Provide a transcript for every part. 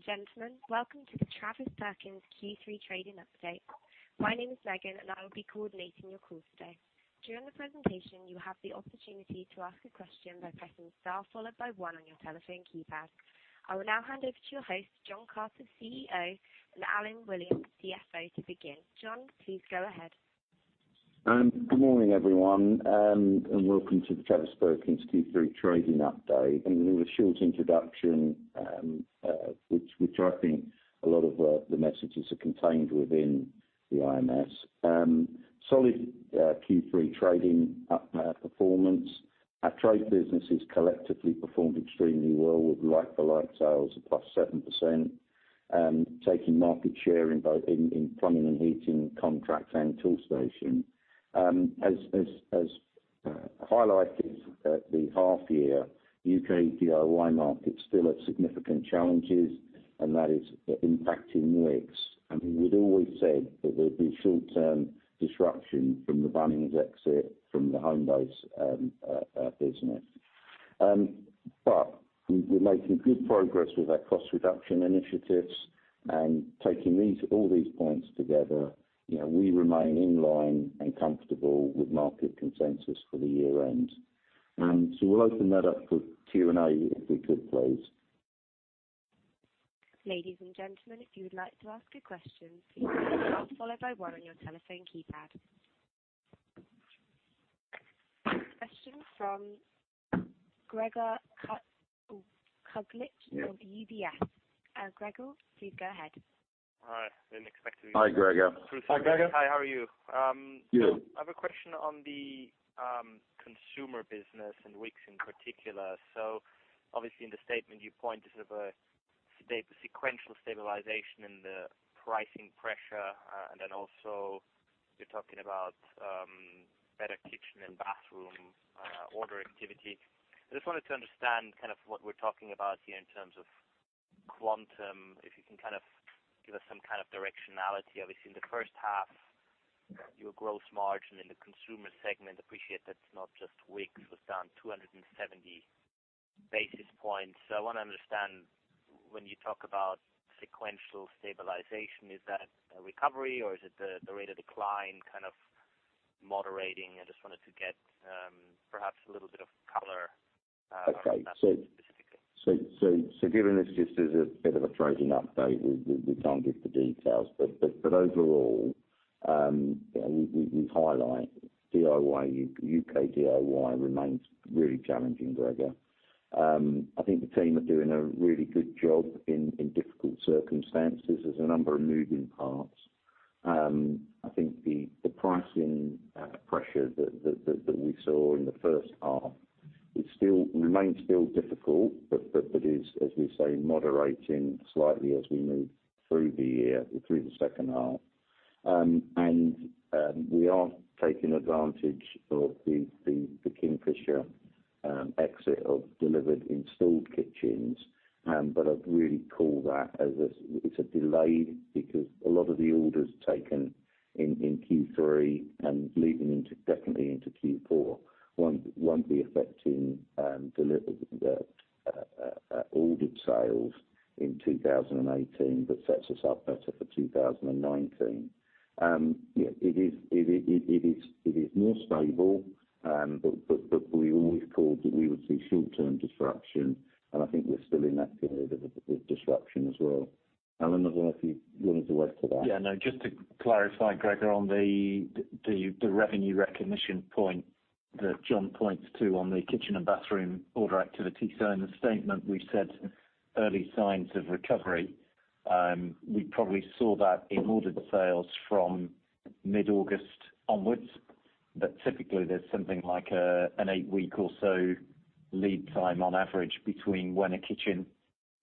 Ladies and gentlemen, welcome to the Travis Perkins Q3 trading update. My name is Megan and I will be coordinating your call today. During the presentation, you will have the opportunity to ask a question by pressing star followed by one on your telephone keypad. I will now hand over to your host, John Carter, CEO, and Alan Williams, CFO, to begin. John, please go ahead. Good morning, everyone, and welcome to the Travis Perkins Q3 trading update. It was a short introduction, which I think a lot of the messages are contained within the IMS. Solid Q3 trading performance. Our trade businesses collectively performed extremely well with like-for-like sales of plus 7%, taking market share in plumbing and heating contracts and Toolstation. As highlighted at the half year, U.K. DIY market still had significant challenges, and that is impacting Wickes. We'd always said that there'd be short-term disruption from the Bunnings exit from the Homebase business. We're making good progress with our cost reduction initiatives and taking all these points together, we remain in line and comfortable with market consensus for the year end. We'll open that up for Q&A, if we could please. Ladies and gentlemen, if you would like to ask a question, please press star followed by one on your telephone keypad. Question from Gregor Kuglitsch of UBS. Gregor, please go ahead. Hi. I didn't expect to be- Hi, Gregor Hi, Gregor Hi, how are you? Good. I have a question on the consumer business and Wickes in particular. Obviously in the statement you point to sort of a sequential stabilization in the pricing pressure. Also you're talking about better kitchen and bathroom order activity. I just wanted to understand kind of what we're talking about here in terms of quantum, if you can kind of give us some kind of directionality, obviously, in the first half, your gross margin in the consumer segment, appreciate that's not just Wickes, was down 270 basis points. I want to understand when you talk about sequential stabilization, is that a recovery or is it the rate of decline kind of moderating? I just wanted to get perhaps a little bit of color. Okay on that specifically. Given this just is a bit of a trading update, we can't give the details. Overall, we highlight U.K. DIY remains really challenging, Gregor. I think the team are doing a really good job in difficult circumstances. There's a number of moving parts. I think the pricing pressure that we saw in the first half remains still difficult, but is, as we say, moderating slightly as we move through the year, through the second half. We are taking advantage of the Kingfisher exit of delivered installed kitchens. I'd really call that as it's a delay because a lot of the orders taken in Q3 and leading definitely into Q4 won't be affecting delivered ordered sales in 2018, but sets us up better for 2019. It is more stable, we always called that we would see short-term disruption, and I think we're still in that period of disruption as well. Alan, I don't know if you wanted to add to that. Just to clarify, Gregor, on the revenue recognition point that John points to on the kitchen and bathroom order activity. In the statement we said early signs of recovery, we probably saw that in ordered sales from mid-August onwards. Typically, there's something like an eight-week or so lead time on average between when a kitchen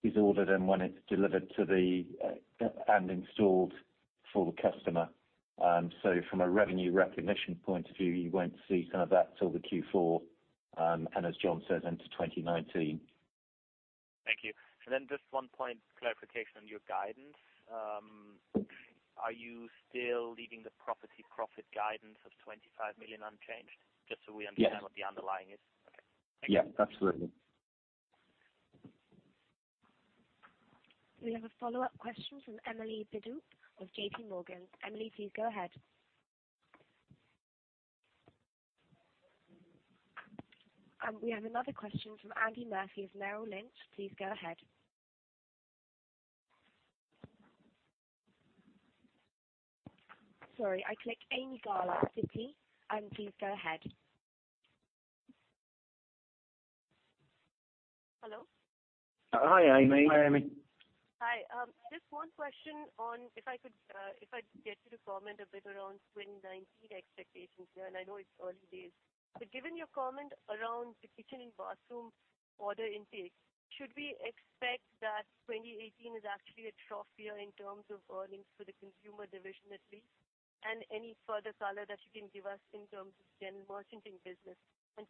is ordered and when it's delivered and installed for the customer. From a revenue recognition point of view, you won't see some of that till the Q4, and as John says, into 2019. Thank you. Just one point clarification on your guidance. Are you still leaving the property profit guidance of 25 million unchanged? Just so we understand- Yes what the underlying is. Okay. Thank you. Yes, absolutely. We have a follow-up question from Emily Biddulph of JP Morgan. Emily, please go ahead. We have another question from Andy Murphy of Merrill Lynch. Please go ahead. Sorry, I clicked Ami Galla, Citi, please go ahead. Hello. Hi, Ami. Hi, Ami. Hi. Just one question on if I could get you to comment a bit around 2019 expectations here. I know it's early days. Given your comment around the kitchen and bathroom order intake, should we expect that 2018 is actually a trough year in terms of earnings for the consumer division at least? Any further color that you can give us in terms of general merchanting business?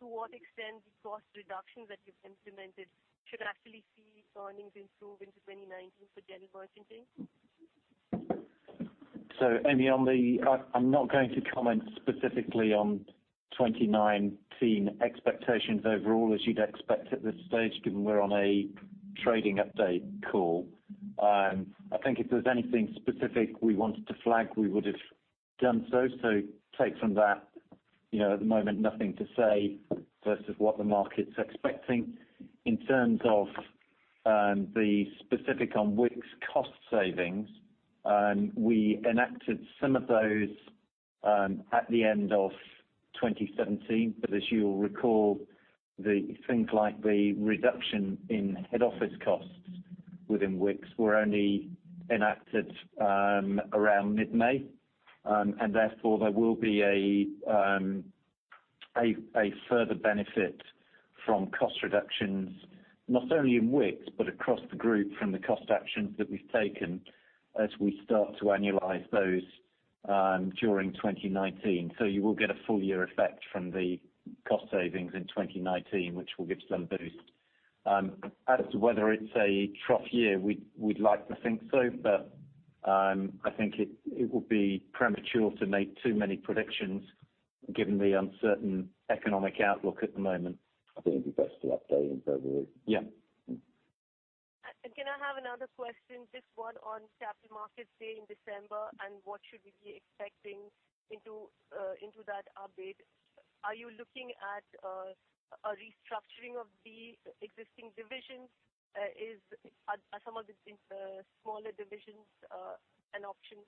To what extent the cost reductions that you've implemented should actually see earnings improve into 2019 for general merchanting? Ami, I'm not going to comment specifically on 2019 expectations overall, as you'd expect at this stage, given we're on a trading update call. I think if there's anything specific we wanted to flag, we would have done so. Take from that, at the moment, nothing to say versus what the market's expecting. In terms of the specific on Wickes cost savings, we enacted some of those at the end of 2017. As you'll recall, the things like the reduction in head office costs within Wickes were only enacted around mid-May. Therefore, there will be a further benefit from cost reductions, not only in Wickes, but across the group from the cost actions that we've taken as we start to annualize those during 2019. You will get a full year effect from the cost savings in 2019, which will give some boost. As to whether it's a trough year, we'd like to think so, but I think it would be premature to make too many predictions given the uncertain economic outlook at the moment. I think it'd be best to update in February. Yeah. Can I have another question, this one on Capital Markets Day in December and what should we be expecting into that update? Are you looking at a restructuring of the existing divisions? Are some of the things, smaller divisions, an option?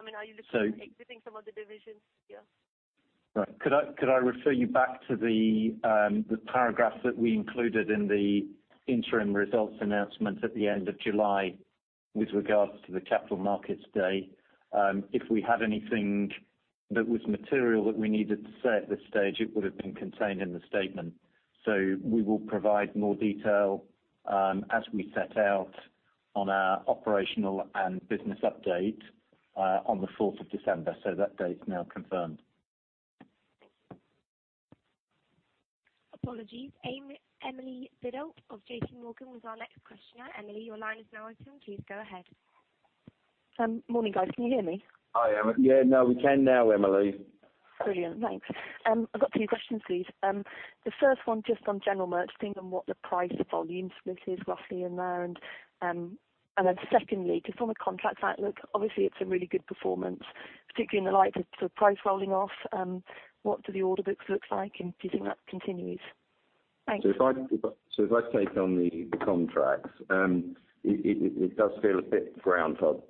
Are you looking at exiting some of the divisions? Yeah. Right. Could I refer you back to the paragraph that we included in the interim results announcement at the end of July with regards to the Capital Markets Day? If we had anything that was material that we needed to say at this stage, it would have been contained in the statement. We will provide more detail as we set out on our operational and business update on the 4th of December. That date is now confirmed. Thank you. Apologies. Emily Biddulph of JP Morgan was our next questioner. Emily, your line is now open. Please go ahead. Morning, guys. Can you hear me? Hi, Emily. Yeah, we can now, Emily. Brilliant. Thanks. I've got two questions, please. The first one just on general merchanting and what the price volume split is roughly in there. Secondly, just on the contract outlook, obviously it's a really good performance, particularly in the light of the price rolling off. What do the order books look like, and do you think that continues? Thanks. If I take on the contracts, it does feel a bit groundhog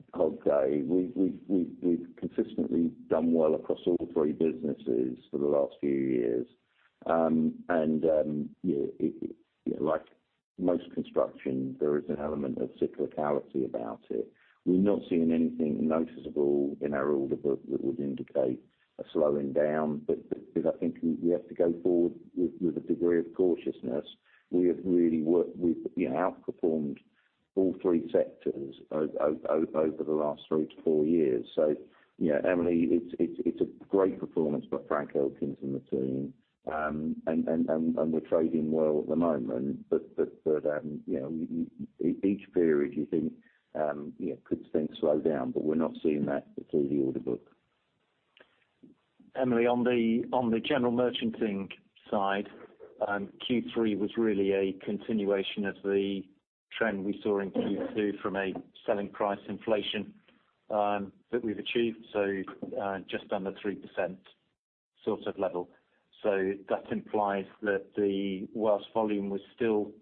day. We've consistently done well across all three businesses for the last few years. Like most construction, there is an element of cyclicality about it. We've not seen anything noticeable in our order book that would indicate a slowing down, but I think we have to go forward with a degree of cautiousness. We have outperformed all three sectors over the last three to four years. Emily, it's a great performance by Frank Elkins and the team, and we're trading well at the moment. Each period you think could things slow down, but we're not seeing that through the order book. Emily, on the general merchanting side, Q3 was really a continuation of the trend we saw in Q2 from a selling price inflation that we've achieved, just under 3% sort of level. That implies that the whilst volume was still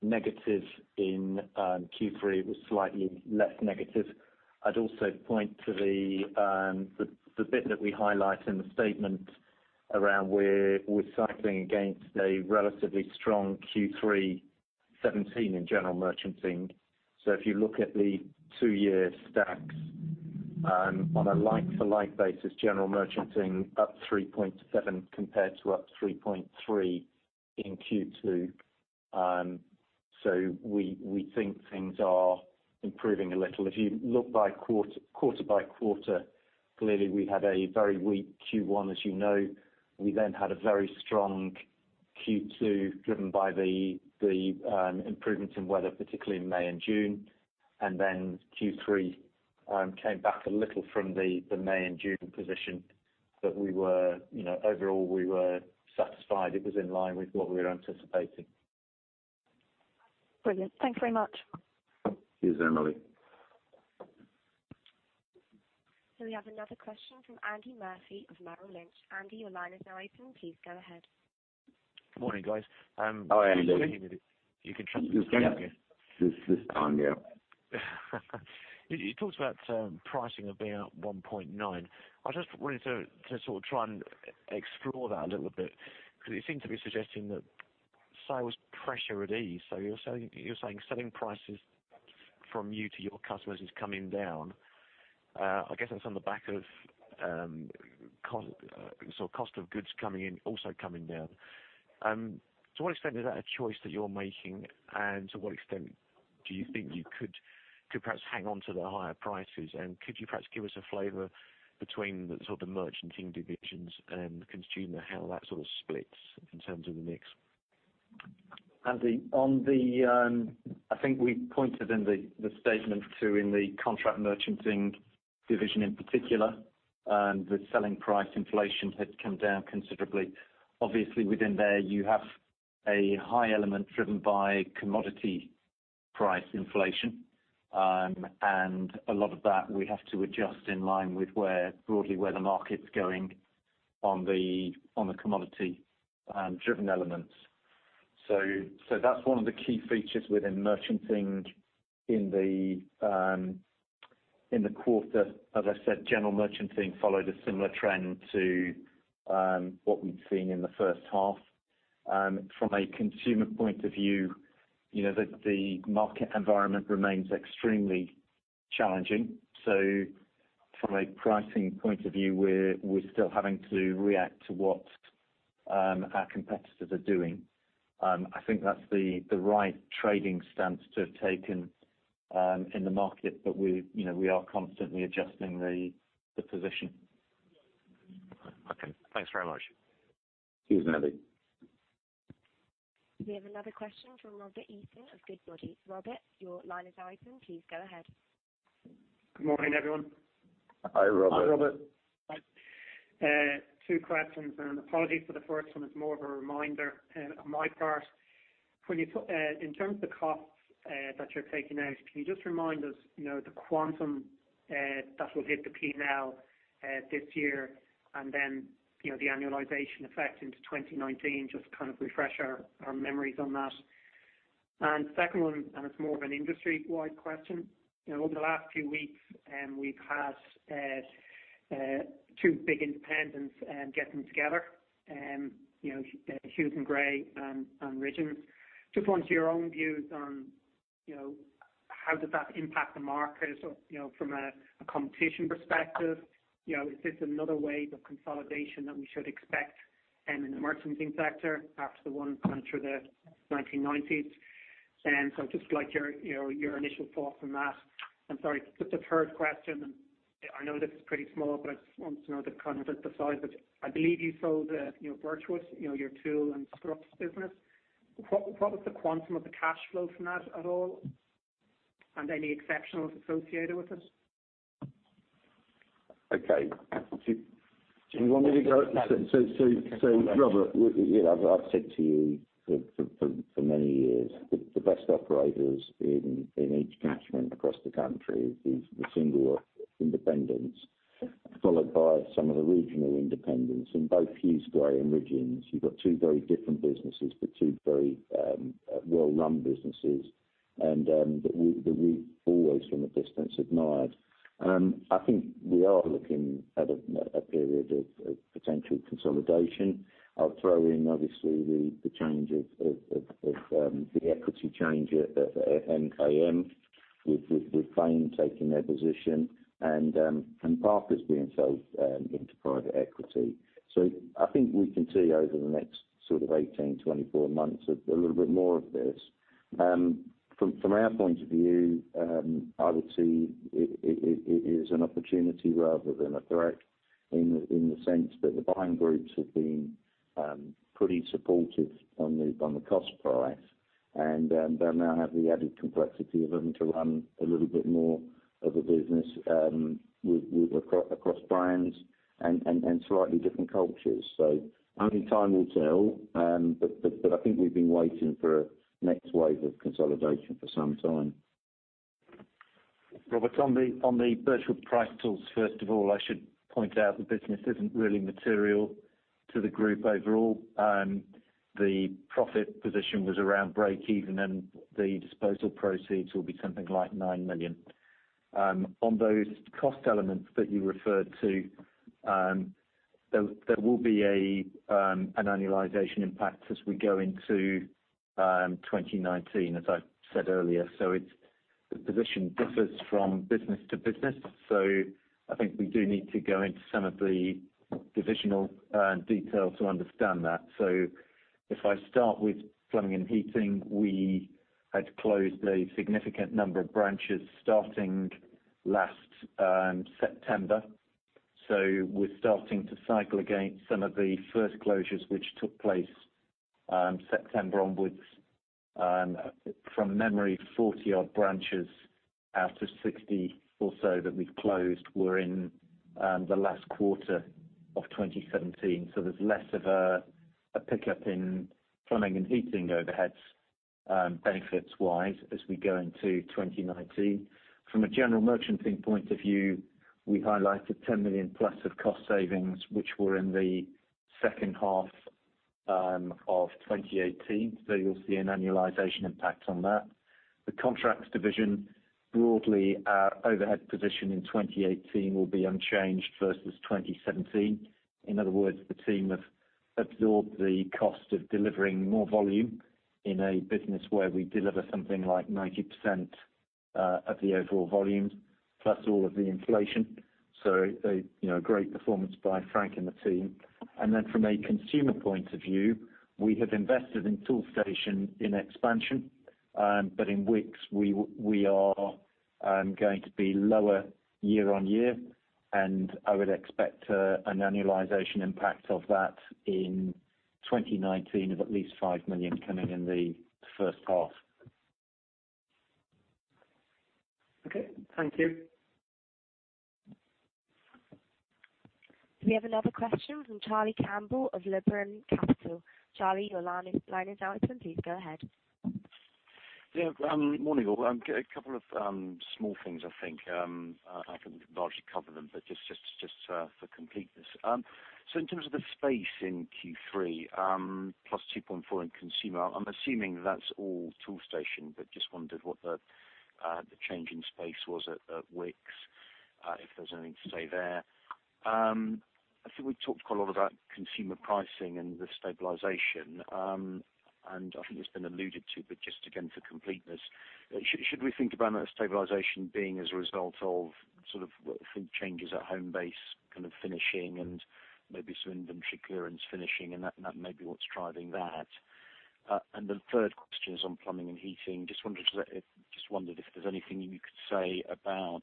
negative in Q3, was slightly less negative. I'd also point to the bit that we highlight in the statement around we're cycling against a relatively strong Q3 2017 in general merchanting. If you look at the two-year stacks on a like-for-like basis, general merchanting up 3.7 compared to up 3.3 in Q2. We think things are improving a little. If you look quarter by quarter, clearly we had a very weak Q1, as you know. We had a very strong Q2 driven by the improvements in weather, particularly in May and June. Q3 came back a little from the May and June position that overall, we were satisfied it was in line with what we were anticipating. Brilliant. Thanks very much. Cheers, Emily. We have another question from Andy Murphy of Merrill Lynch. Andy, your line is now open. Please go ahead. Good morning, guys. Hi, Andy. Can you hear me? You can trust me. It's on, yeah. You talked about pricing of about 1.9. I just wanted to sort of try and explore that a little bit, because you seem to be suggesting that sales pressure are at ease. You're saying selling prices from you to your customers is coming down. I guess that's on the back of cost of goods also coming down. To what extent is that a choice that you're making, and to what extent do you think you could perhaps hang on to the higher prices? Could you perhaps give us a flavor between the sort of merchanting divisions and consumer, how that sort of splits in terms of the mix? Andy, I think we pointed in the statement too, in the contract merchanting division in particular, the selling price inflation had come down considerably. Obviously, within there, you have a high element driven by commodity price inflation. A lot of that we have to adjust in line with broadly where the market's going on the commodity-driven elements. That's one of the key features within merchanting in the quarter. As I said, general merchanting followed a similar trend to what we'd seen in the first half. From a consumer point of view, the market environment remains extremely challenging. From a pricing point of view, we're still having to react to what our competitors are doing. I think that's the right trading stance to have taken in the market. We are constantly adjusting the position. Okay, thanks very much. Excuse me. We have another question from Robert Easton of Goodbody. Robert, your line is open. Please go ahead. Good morning, everyone. Hi, Robert. Hi, Robert. Two questions. Apologies for the first one. It's more of a reminder on my part. In terms of the costs that you're taking out, can you just remind us the quantum that will hit the P&L this year and then the annualization effect into 2019? Just kind of refresh our memories on that. Second one, it's more of an industry-wide question. Over the last few weeks, we've had two big independents getting together, Huws Gray and Ridgeons. Just wanted your own views on how does that impact the market from a competition perspective. Is this another wave of consolidation that we should expect in the merchanting sector after the one through the 1990s? I'd just like your initial thoughts on that. Sorry, just a third question. I know this is pretty small, but I just want to know kind of the size of it. I believe you sold Virtuous, your tool and screws business. What was the quantum of the cash flow from that at all, and any exceptionals associated with it? Okay. Do you want me to go? Robert, I've said to you for many years, the best operators in each catchment across the country are the single independents, followed by some of the regional independents. In both Huws Gray and Ridgeons, you've got two very different businesses but two very well-run businesses that we've always, from a distance, admired. I think we are looking at a period of potential consolidation. I'll throw in, obviously, the equity change at MKM with Bain taking their position and Parker's being sold into private equity. I think we can see over the next sort of 18, 24 months a little bit more of this. From our point of view, I would see it as an opportunity rather than a threat in the sense that the buying groups have been pretty supportive on the cost price, they'll now have the added complexity of having to run a little bit more of a business across brands and slightly different cultures. Only time will tell, but I think we've been waiting for a next wave of consolidation for some time. Robert, on the virtual price tools, first of all, I should point out the business isn't really material to the group overall. The profit position was around breakeven, and the disposal proceeds will be something like 9 million. On those cost elements that you referred to, there will be an annualization impact as we go into 2019, as I said earlier. The position differs from business to business. I think we do need to go into some of the divisional detail to understand that. If I start with plumbing and heating, we had closed a significant number of branches starting last September. We're starting to cycle against some of the first closures which took place September onwards. From memory, 40-odd branches out of 60 or so that we've closed were in the last quarter of 2017. There's less of a pickup in plumbing and heating overheads benefits-wise as we go into 2019. From a general merchanting point of view, we highlighted 10 million plus of cost savings, which were in the second half of 2018. You'll see an annualization impact on that. The contracts division, broadly, our overhead position in 2018 will be unchanged versus 2017. In other words, the team have absorbed the cost of delivering more volume in a business where we deliver something like 90% of the overall volume, plus all of the inflation. A great performance by Frank and the team. From a consumer point of view, we have invested in Toolstation in expansion in Wickes, we are going to be lower year on year, and I would expect an annualization impact of that in 2019 of at least 5 million coming in the first half. Okay. Thank you. We have another question from Charlie Campbell of Liberum Capital. Charlie, your line is open. Please go ahead. Good morning, all. A couple of small things, I think. I can largely cover them, but just for completeness. In terms of the space in Q3, +2.4% in consumer, I'm assuming that's all Toolstation, but just wondered what the change in space was at Wickes, if there's anything to say there. I think we talked quite a lot about consumer pricing and the stabilization. I think it's been alluded to, but just again, for completeness, should we think about that stabilization being as a result of changes at Homebase kind of finishing and maybe some inventory clearance finishing and that may be what's driving that? The third question is on Plumbing & Heating. Just wondered if there's anything you could say about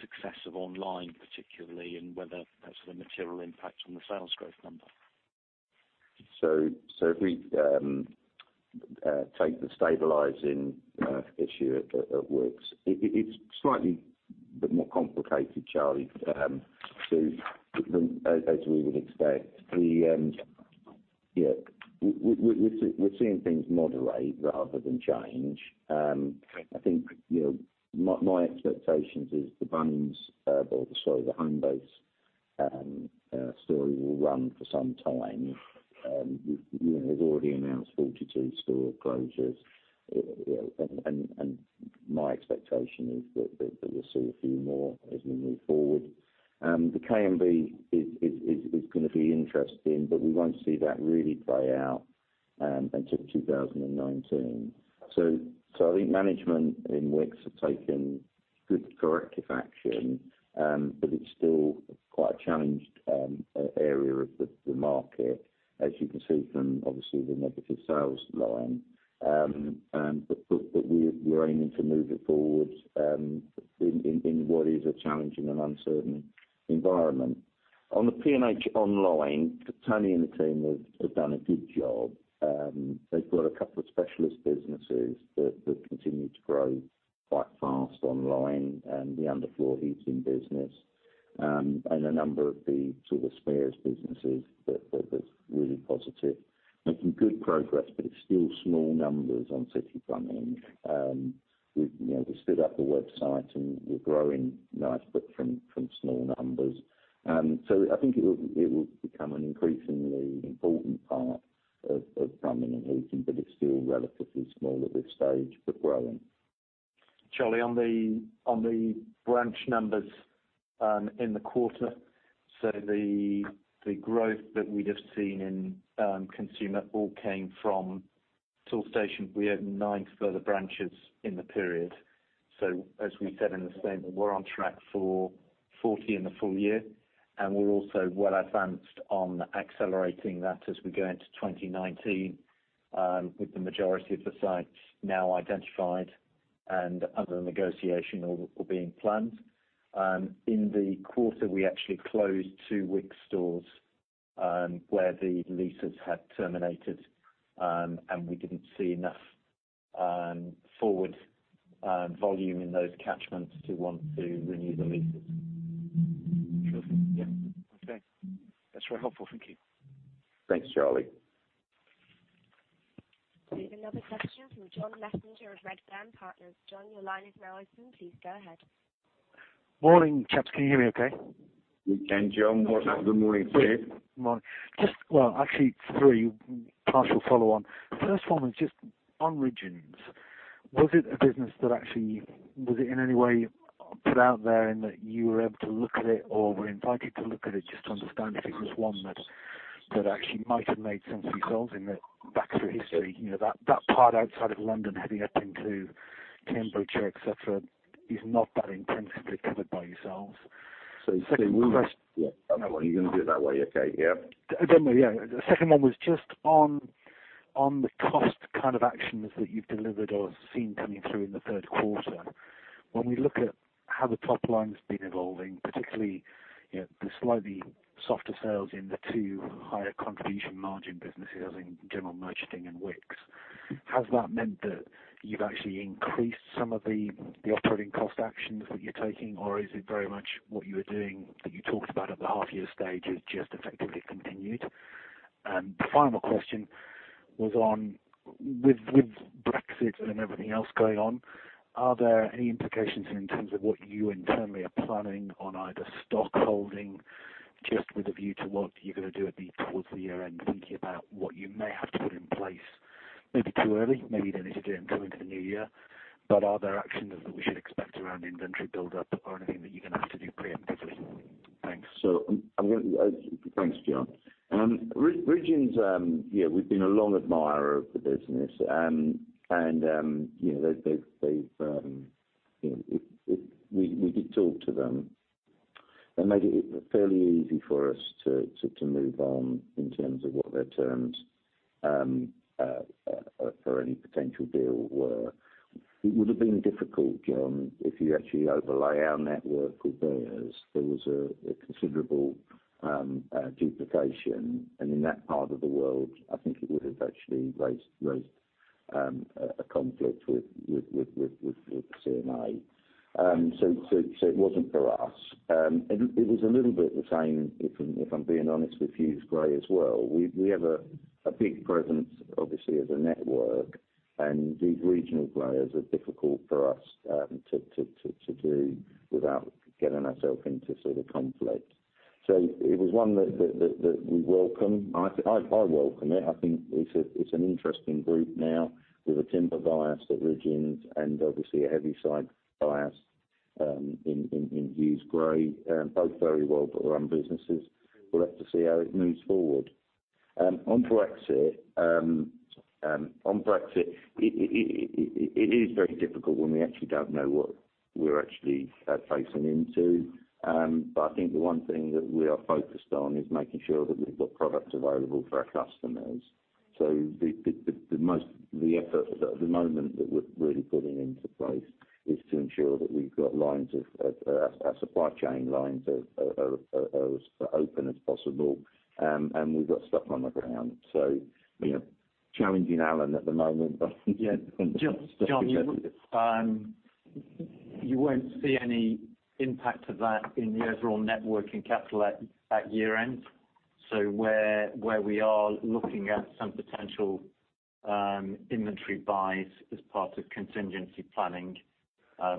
success of online particularly, and whether that's a material impact on the sales growth number. If we take the stabilizing issue at Wickes, it's slightly more complicated, Charlie, as we would expect. We're seeing things moderate rather than change. I think my expectations is the Homebase story will run for some time. We've already announced 42 store closures, My expectation is that we'll see a few more as we move forward. The KMB is going to be interesting, but we won't see that really play out until 2019. I think management in Wickes have taken good corrective action, but it's still quite a challenged area of the market, as you can see from, obviously, the negative sales line. We're aiming to move it forward in what is a challenging and uncertain environment. On the P&H online, Tony and the team have done a good job. They've got a couple of specialist businesses that continue to grow quite fast online and the underfloor heating business, and a number of the spares businesses that's really positive. Making good progress, but it's still small numbers on City Plumbing. We stood up the website, and we're growing nicely from small numbers. I think it will become an increasingly important part of Plumbing & Heating, but it's still relatively small at this stage, but growing. Charlie, on the branch numbers in the quarter, the growth that we'd have seen in consumer all came from Toolstation. We opened nine further branches in the period. As we said in the statement, we're on track for 40 in the full year, and we're also well advanced on accelerating that as we go into 2019, with the majority of the sites now identified and under negotiation or being planned. In the quarter, we actually closed two Wickes stores, where the leases had terminated, and we didn't see enough forward volume in those catchments to want to renew the leases. Sure. Yeah. Okay. That's very helpful. Thank you. Thanks, Charlie. We have another question from John Messenger of Redburn Partners. John, your line is now open. Please go ahead. Morning, chaps. Can you hear me okay? We can, John. What a good morning, please. Good morning. Just, well, actually three, partial follow-on. First one was just on Ridgeons. Was it a business that actually, was it in any way put out there and that you were able to look at it or were invited to look at it just to understand if it was one that actually might have made sense for yourselves in that back through history, that part outside of London heading up into Cambridgeshire, et cetera, is not that intrinsically covered by yourselves? You say. Second question. Yeah. You're going to do it that way, okay. Yeah. Yeah. The second one was just on the cost kind of actions that you've delivered or seen coming through in the third quarter. When we look at how the top line's been evolving, particularly the slightly softer sales in the two higher contribution margin businesses in general merchanting and Wickes, has that meant that you've actually increased some of the operating cost actions that you're taking, or is it very much what you were doing that you talked about at the half year stage has just effectively continued? The final question was on with Brexit and everything else going on, are there any implications in terms of what you internally are planning on either stockholding, just with a view to what you're going to do towards the year-end, thinking about what you may have to put in place, maybe too early, maybe you don't need to do it until into the new year. Are there actions that we should expect around inventory buildup or anything that you're going to have to do preemptively? Thanks. Thanks, John. Ridgeons, yeah, we've been a long admirer of the business. We did talk to them They made it fairly easy for us to move on in terms of what their terms for any potential deal were. It would have been difficult, John, if you actually overlay our network with theirs. There was a considerable duplication. In that part of the world, I think it would have actually raised a conflict with CMA. It wasn't for us. It was a little bit the same, if I'm being honest with Huws Gray as well. We have a big presence, obviously as a network, and these regional players are difficult for us to do without getting ourself into sort of conflict. It was one that we welcome. I welcome it. I think it's an interesting group now with a timber bias at Ridgeons and obviously a heavy side bias in Huws Gray, both very well-run businesses. We'll have to see how it moves forward. On Brexit, it is very difficult when we actually don't know what we're actually facing into. I think the one thing that we are focused on is making sure that we've got product available for our customers. The most, the effort at the moment that we're really putting into place is to ensure that we've got our supply chain lines as open as possible, and we've got staff on the ground. Yeah, challenging Alan at the moment, but Yeah. John, you won't see any impact of that in the overall network and capital at year-end. Where we are looking at some potential inventory buys as part of contingency planning,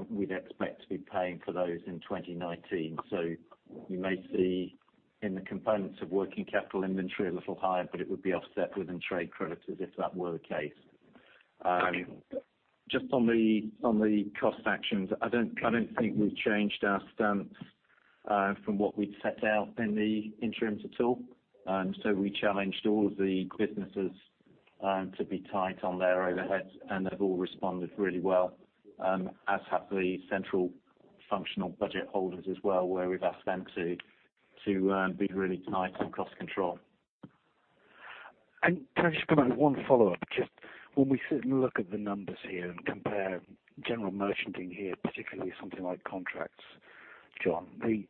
we'd expect to be paying for those in 2019. You may see in the components of working capital inventory a little higher, but it would be offset within trade credits if that were the case. Okay. Just on the cost actions, I don't think we've changed our stance from what we'd set out in the interims at all. We challenged all of the businesses to be tight on their overheads, and they've all responded really well, as have the central functional budget holders as well, where we've asked them to be really tight on cost control. Can I just come in with one follow-up? Just when we sit and look at the numbers here and compare general merchanting here, particularly something like contracts, John, when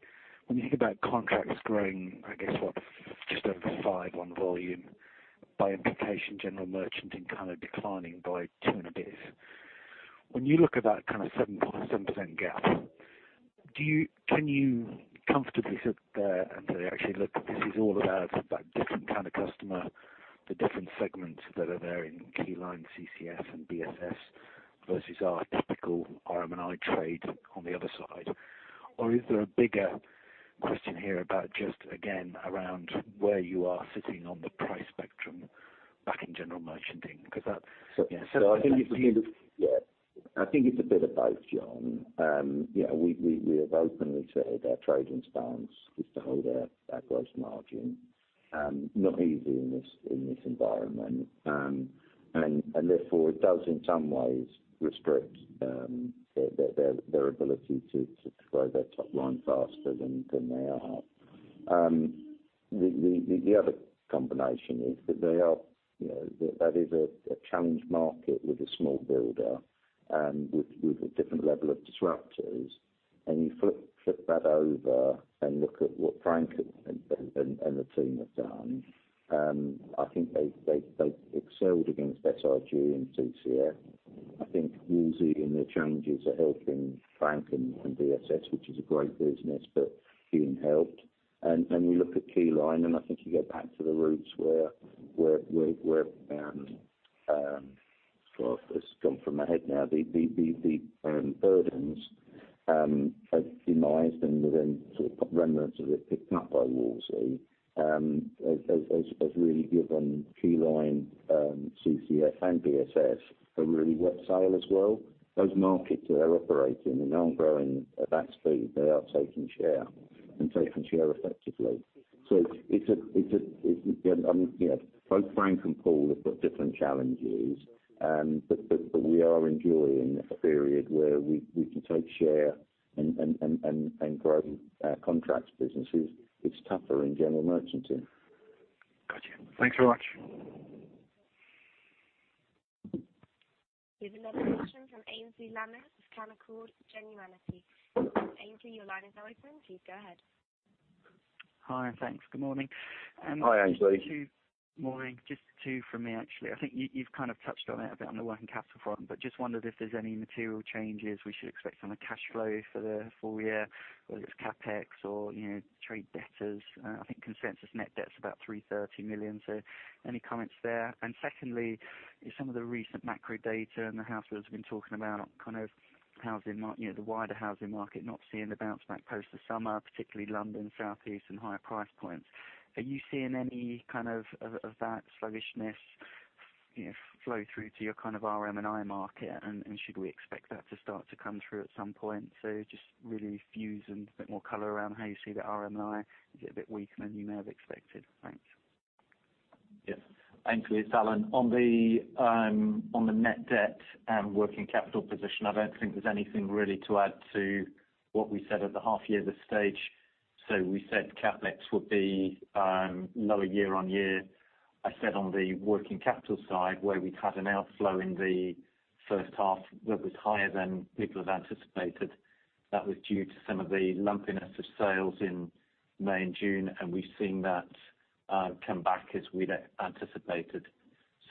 you think about contracts growing, I guess what, just over five on volume, by implication, general merchanting kind of declining by 200 basis points. When you look at that kind of 7% gap, can you comfortably sit there and say, actually, look, this is all about that different kind of customer, the different segments that are there in Keyline, CCS, and BSS versus our typical RM&I trade on the other side? Or is there a bigger question here about just again, around where you are sitting on the price spectrum back in general merchanting? Because that- I think it's a bit of both, John. We have openly said our trading stance is to hold our gross margin. Not easy in this environment. Therefore it does in some ways restrict their ability to grow their top line faster than they are. The other combination is that is a challenged market with a small builder and with a different level of disruptors. You flip that over and look at what Frank and the team have done. I think they excelled against SIG and CCS. I think Wolseley and the challenges are helping Frank and BSS, which is a great business, but being helped. You look at Keyline, and I think you go back to the roots where, it's gone from my head now. The Burdens have demised and then sort of remnants of it picked up by Wolseley, has really given Keyline, CCS, and BSS a really net sale as well. Those markets that are operating, they aren't growing at that speed. They are taking share and taking share effectively. Both Frank and Paul have got different challenges, but we are enjoying a period where we can take share and grow our contracts businesses. It's tougher in general merchanting. Got you. Thanks very much. We have another question from Aynsley Lammin of Canaccord Genuity. Aynsley, your line is now open. Please go ahead. Hi, thanks. Good morning. Hi, Aynsley. Morning. Just two from me, actually. I think you've kind of touched on it a bit on the working capital front, but just wondered if there's any material changes we should expect on the cash flow for the full year, whether it's CapEx or trade debtors. I think consensus net debt is about 330 million, any comments there? Secondly, some of the recent macro data and the households we've been talking about, kind of the wider housing market not seeing the bounce back post this summer, particularly London, South East, and higher price points. Are you seeing any kind of that sluggishness flow through to your kind of RM&I market? Should we expect that to start to come through at some point? Just really a few and a bit more color around how you see the RM&I. Is it a bit weaker than you may have expected? Thanks. Yes. Thanks, Lee. It's Alan. On the net debt and working capital position, I don't think there's anything really to add to what we said at the half year this stage. We said CapEx would be lower year-on-year. I said on the working capital side, where we had an outflow in the first half that was higher than people had anticipated, that was due to some of the lumpiness of sales in May and June, and we've seen that come back as we'd anticipated.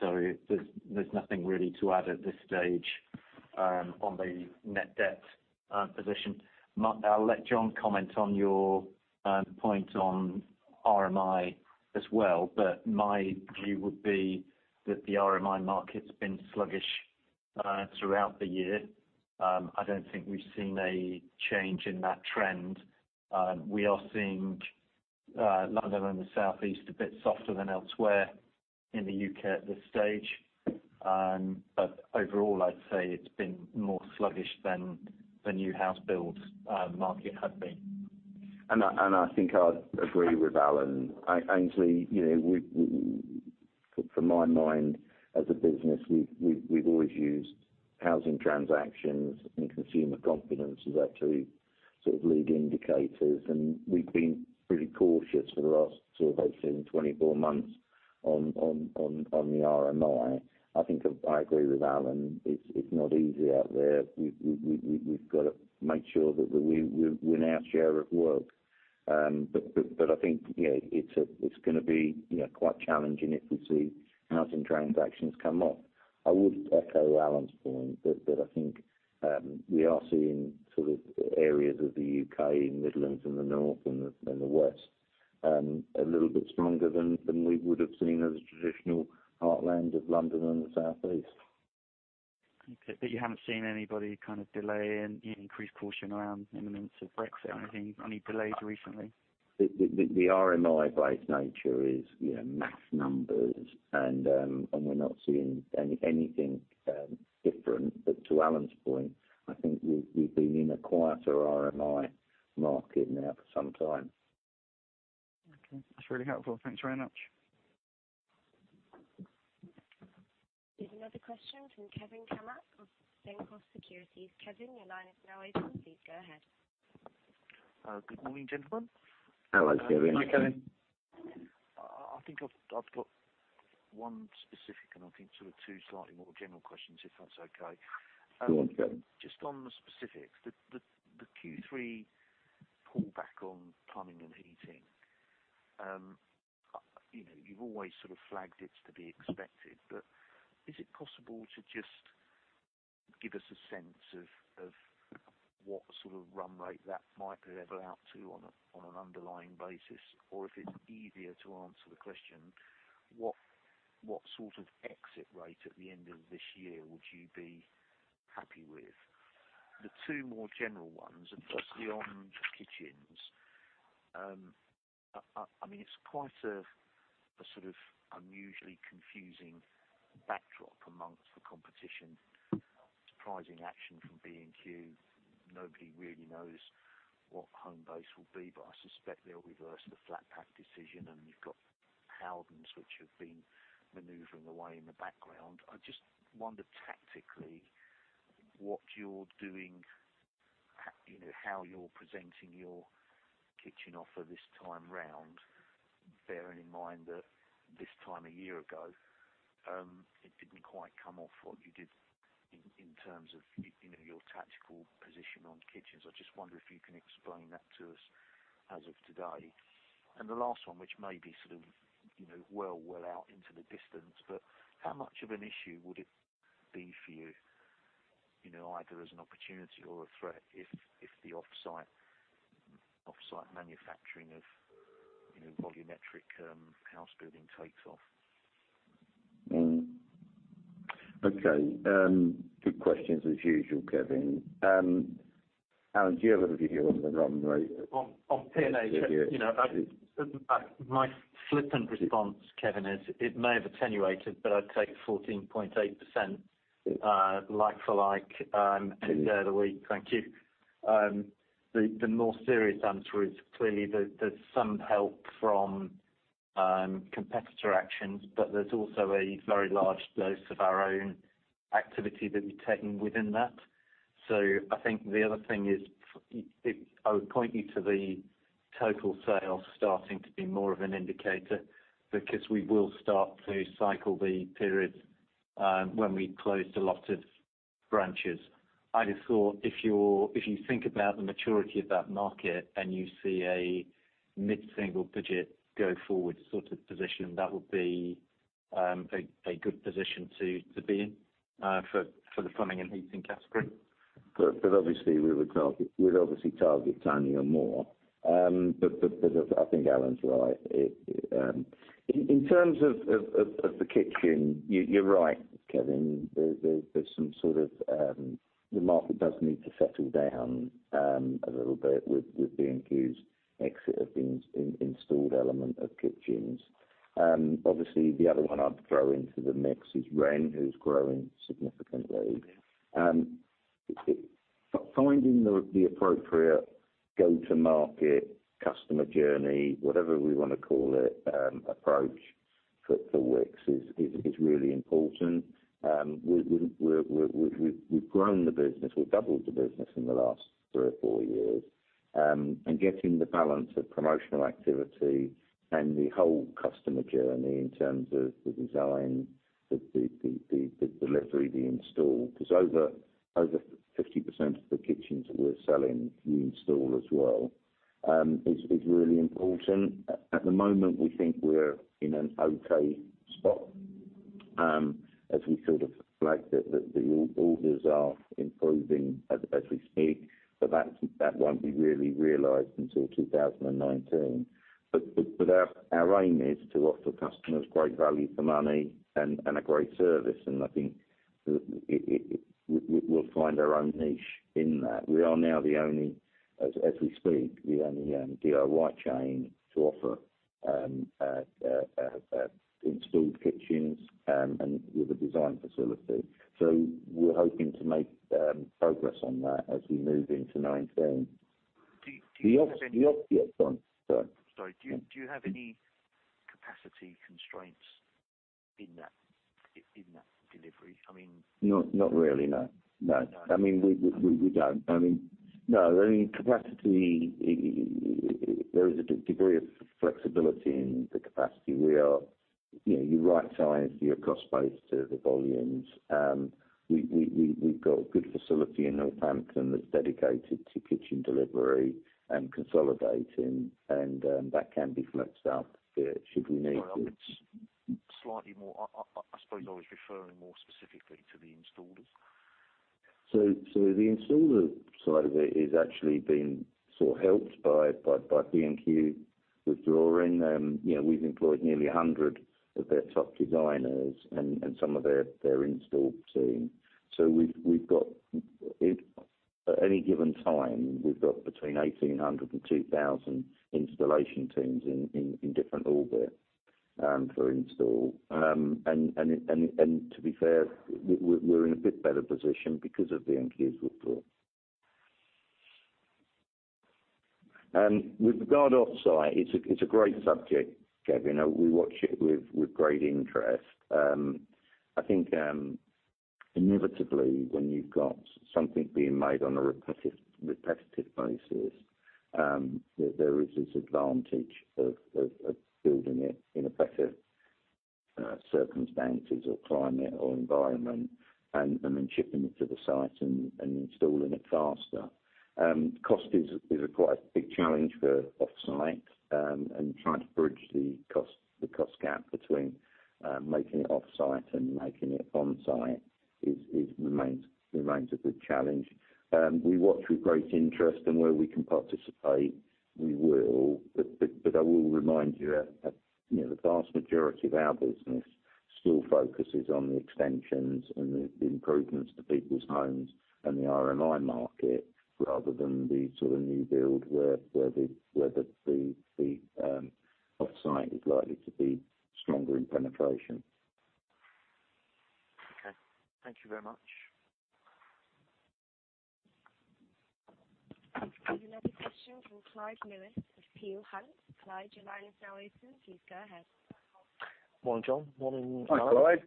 There's nothing really to add at this stage on the net debt position. I'll let John comment on your point on RM&I as well, but my view would be that the RM&I market's been sluggish throughout the year. I don't think we've seen a change in that trend. We are seeing London and the South East a bit softer than elsewhere in the U.K. at this stage. Overall, I'd say it's been more sluggish than the new house builds market had been. I think I'd agree with Alan. Aynsley, from my mind as a business, we've always used housing transactions and consumer confidence as our two sort of lead indicators, and we've been pretty cautious for the last sort of 18-24 months on the RM&I. I think I agree with Alan. It's not easy out there. We've got to make sure that we win our share of work. I think it's going to be quite challenging if we see housing transactions come off. I would echo Alan's point that I think we are seeing areas of the U.K., in Midlands and the North and the West, a little bit stronger than we would have seen as a traditional heartland of London and the South East. Okay. You haven't seen anybody kind of delay, increased caution around imminence of Brexit or anything, any delays recently? The RM&I by its nature is mass numbers and we're not seeing anything different. To Alan's point, I think we've been in a quieter RM&I market now for some time. Okay. That's really helpful. Thanks very much. We have another question from Kevin Cammack of Stifel Securities. Kevin, your line is now open. Please go ahead. Good morning, gentlemen. Hello, Kevin. Good morning, Kevin. I think I've got one specific and I think sort of two slightly more general questions, if that's okay. Go on, Kevin. Just on the specifics, the Q3 pullback on plumbing and heating. Is it possible to just give us a sense of what sort of run rate that might level out to on an underlying basis? If it's easier to answer the question, what sort of exit rate at the end of this year would you be happy with? The two more general ones are firstly on kitchens. It's quite a sort of unusually confusing backdrop amongst the competition. Surprising action from B&Q. Nobody really knows what Homebase will be, I suspect they'll reverse the flat pack decision, and you've got Howdens, which have been maneuvering away in the background. I just wonder tactically what you're doing, how you're presenting your kitchen offer this time around, bearing in mind that this time a year ago, it didn't quite come off what you did in terms of your tactical position on kitchens. I just wonder if you can explain that to us as of today. The last one, which may be sort of well out into the distance, but how much of an issue would it be for you, either as an opportunity or a threat if the offsite manufacturing of volumetric house building takes off? Okay. Good questions as usual, Kevin. Alan, do you have a view on the run rate? On P&H- Yes My flippant response, Kevin, is it may have attenuated, but I'd take 14.8% like-for-like any day of the week. Thank you. The more serious answer is clearly there's some help from competitor actions, but there's also a very large dose of our own activity that we've taken within that. I think the other thing is, I would point you to the total sales starting to be more of an indicator because we will start to cycle the periods when we closed a lot of branches. I just thought if you think about the maturity of that market and you see a mid-single-digit go forward sort of position, that would be a good position to be in for the Plumbing & Heating category. We'd obviously target 20 or more. I think Alan's right. In terms of the kitchen, you're right, Kevin. There's some sort of The market does need to settle down a little bit with B&Q's exit of the installed element of kitchens. Obviously, the other one I'd throw into the mix is Wren, who's growing significantly. Yes. Finding the appropriate go-to-market customer journey, whatever we want to call it, approach for Wickes is really important. We've grown the business. We've doubled the business in the last three or four years, and getting the balance of promotional activity and the whole customer journey in terms of the design, the delivery, the install, because over 50% of the kitchens that we're selling, we install as well, is really important. At the moment, we think we're in an okay spot as we sort of flag that the orders are improving as we speak, but that won't be really realized until 2019. Our aim is to offer customers great value for money and a great service, and I think we'll find our own niche in that. We are now, as we speak, the only DIY chain to offer installed kitchens and with a design facility. We're hoping to make progress on that as we move into 2019. Do you have any- Yes, John. Sorry. Sorry. Do you have any capacity constraints in that delivery? Not really, no. We don't. No, there is a degree of flexibility in the capacity. You right-size your cost base to the volumes. We've got a good facility in Northampton that's dedicated to kitchen delivery and consolidating, and that can be flexed up should we need to. Sorry, I was referring more specifically to the installers. The installer side of it is actually being sort of helped by B&Q withdrawing. We've employed nearly 100 of their top designers and some of their install team. At any given time, we've got between 1,800 and 2,000 installation teams in different orbit for install. To be fair, we're in a bit better position because of B&Q's withdrawal. With regard off-site, it's a great subject, Kevin. We watch it with great interest. I think inevitably when you've got something being made on a repetitive basis, there is this advantage of building it in a better circumstances or climate or environment, and then shipping it to the site and installing it faster. Cost is a quite a big challenge for off-site, and trying to bridge the cost gap between making it off-site and making it on-site remains a big challenge. We watch with great interest and where we can participate, we will. I will remind you, the vast majority of our business still focuses on the extensions and the improvements to people's homes and the RM&I market, rather than the sort of new build where the off-site is likely to be stronger in penetration. Okay. Thank you very much. We have another question from Clyde Lewis of Peel Hunt. Clyde, your line is now open. Please go ahead. Morning, John. Morning, Al. Hi, Clyde.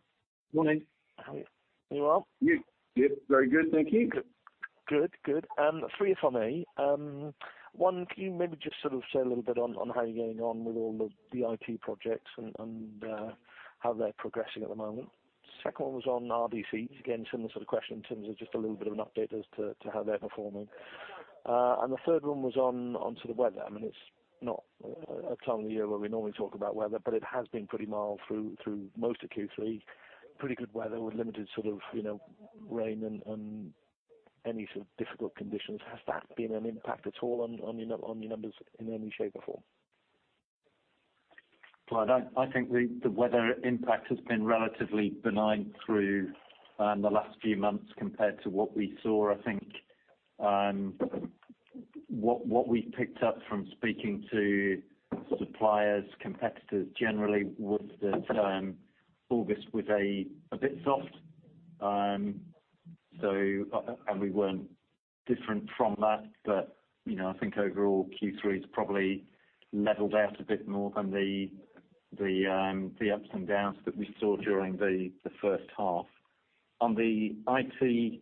Morning. How are you? You well? Yeah. Very good, thank you. Good. Three if I may. One, can you maybe just sort of say a little bit on how you're getting on with all the IT projects and how they're progressing at the moment? Second one was on RDCs. Again, similar sort of question in terms of just a little bit of an update as to how they're performing. The third one was on sort of weather. I mean, it's not a time of the year where we normally talk about weather, but it has been pretty mild through most of Q3, pretty good weather with limited sort of rain and any sort of difficult conditions. Has that been an impact at all on your numbers in any shape or form? Clyde, I think the weather impact has been relatively benign through the last few months compared to what we saw. I think what we picked up from speaking to suppliers, competitors generally, was that August was a bit soft, and we weren't different from that. I think overall, Q3 is probably leveled out a bit more than the ups and downs that we saw during the first half. On the IT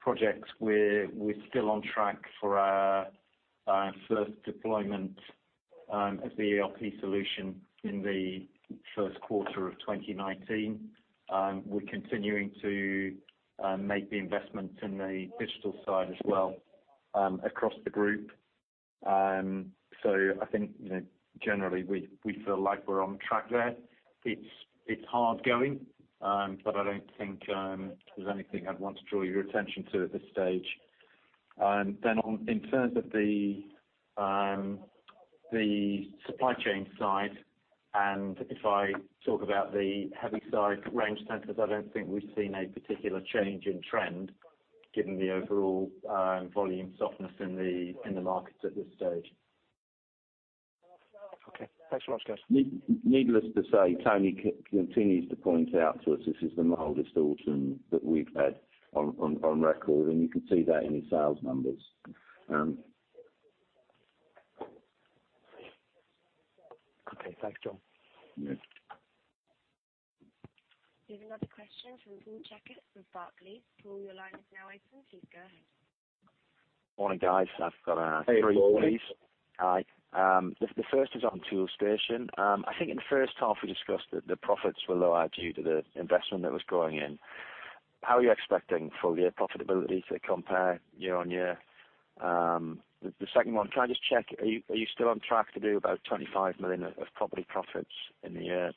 projects, we're still on track for our first deployment of the ERP solution in the first quarter of 2019. We're continuing to make the investments in the digital side as well across the group. I think generally we feel like we're on track there. It's hard going, but I don't think there's anything I'd want to draw your attention to at this stage. In terms of the supply chain side, if I talk about the heavy side range centers, I don't think we've seen a particular change in trend given the overall volume softness in the markets at this stage. Okay. Thanks very much, guys. Needless to say, Tony continues to point out to us this is the mildest autumn that we've had on record, and you can see that in his sales numbers. Okay. Thanks, John. Yeah. We have another question from Paul Checketts from Barclays. Paul, your line is now open. Please go ahead. Morning, guys. I've got three, please. Hey, Paul. Hi. The first is on Toolstation. I think in the first half we discussed that the profits were lower due to the investment that was going in. How are you expecting full-year profitability to compare year-on-year? The second one, can I just check, are you still on track to do about 25 million of property profits in the year?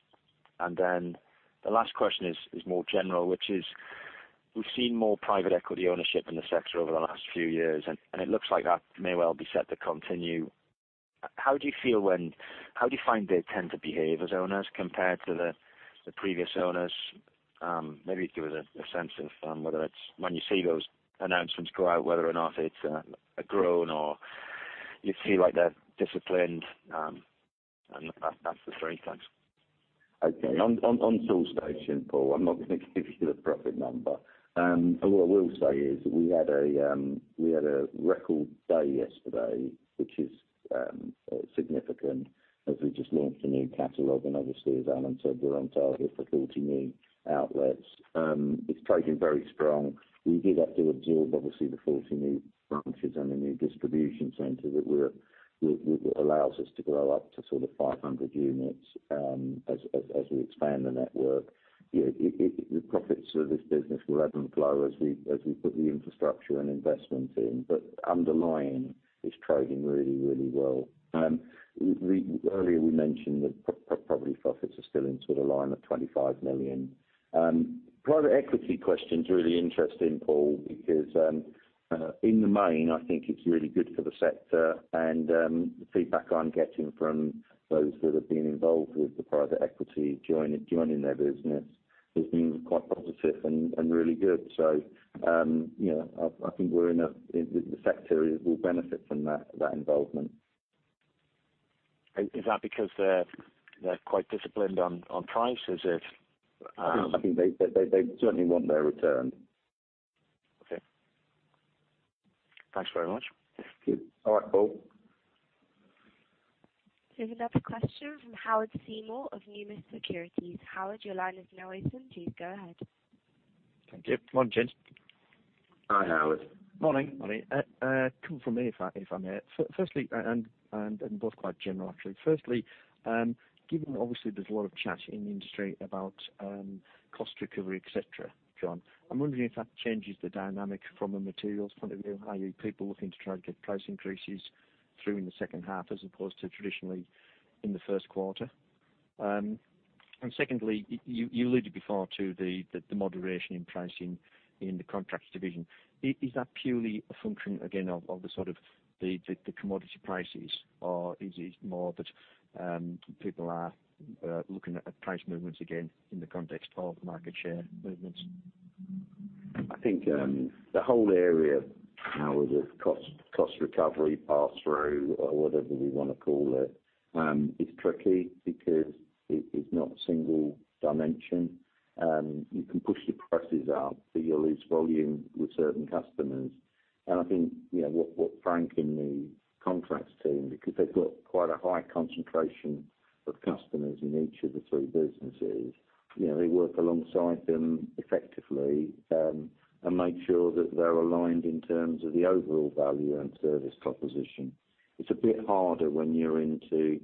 The last question is more general, which is, we've seen more private equity ownership in the sector over the last few years, and it looks like that may well be set to continue. How do you find they tend to behave as owners compared to the previous owners? Maybe give us a sense of whether that's when you see those announcements go out, whether or not it's a groan or you feel like they're disciplined. That's the three. Thanks. Okay. On Toolstation, Paul, I'm not going to give you the profit number. What I will say is we had a record day yesterday, which is significant as we just launched a new catalog. Obviously, as Alan said, we're on target for 40 new outlets. It's trading very strong. We did have to absorb, obviously, the 40 new branches and the new distribution center that allows us to grow up to 500 units as we expand the network. The profits for this business will ebb and flow as we put the infrastructure and investment in, but underlying, it's trading really, really well. Earlier we mentioned that property profits are still in line of 25 million. Private equity question is really interesting, Paul, because in the main, I think it's really good for the sector, and the feedback I'm getting from those that have been involved with the private equity joining their business has been quite positive and really good. I think the sector will benefit from that involvement. Is that because they're quite disciplined on prices? I think they certainly want their return. Okay. Thanks very much. All right, Paul. We have another question from Howard Seymour of Numis Securities. Howard, your line is now open. Please go ahead. Thank you. Morning, gents. Hi, Howard. Morning. A couple from me, if I may. Firstly, both quite general, actually. Firstly, given obviously there's a lot of chat in the industry about cost recovery, et cetera, John, I'm wondering if that changes the dynamic from a materials point of view, i.e. people looking to try to get price increases through in the second half as opposed to traditionally in the first quarter. Secondly, you alluded before to the moderation in pricing in the contracts division. Is that purely a function again of the commodity prices, or is it more that people are looking at price movements again in the context of market share movements? I think the whole area, Howard, of cost recovery pass-through or whatever we want to call it, is tricky because it is not single dimension. You can push your prices up, but you'll lose volume with certain customers. I think what Frank and the contracts team, because they've got quite a high concentration of customers in each of the three businesses. They work alongside them effectively and make sure that they're aligned in terms of the overall value and service proposition. It's a bit harder when you're into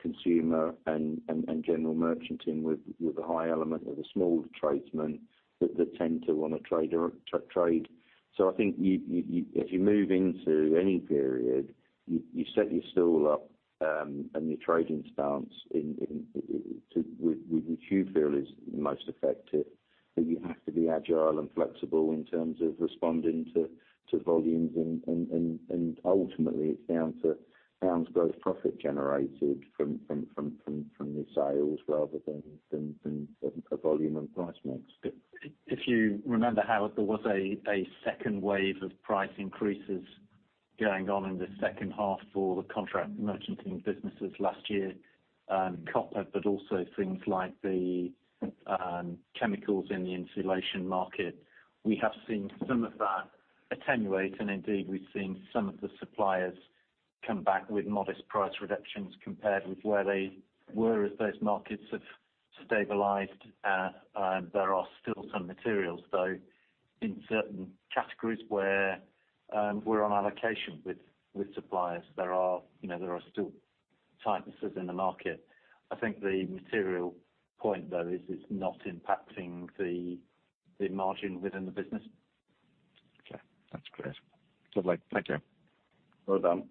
consumer and general merchant team with the high element of the smaller tradesmen that tend to want to trade. I think if you move into any period, you set your stall up and your trading stance which you feel is most effective, but you have to be agile and flexible in terms of responding to volumes, and ultimately it's down to GBP gross profit generated from the sales rather than a volume of price mix. If you remember, Howard, there was a second wave of price increases going on in the second half for the contract merchanting businesses last year, copper, but also things like the chemicals in the insulation market. We have seen some of that attenuate, and indeed, we've seen some of the suppliers come back with modest price reductions compared with where they were as those markets have stabilized. There are still some materials, though, in certain categories where we're on allocation with suppliers. There are still tightnesses in the market. I think the material point, though, is it's not impacting the margin within the business. Okay. That's clear. Lovely. Thank you. Well done.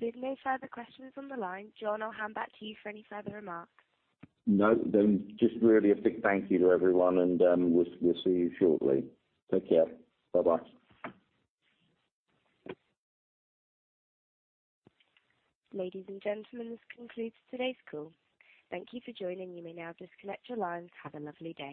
We have no further questions on the line. John, I'll hand back to you for any further remarks. No, just really a big thank you to everyone and we'll see you shortly. Take care. Bye-bye. Ladies and gentlemen, this concludes today's call. Thank you for joining. You may now disconnect your lines. Have a lovely day